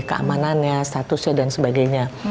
keamanannya statusnya dan sebagainya